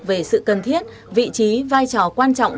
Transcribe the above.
về sự cần thiết vị trí vai trò quan trọng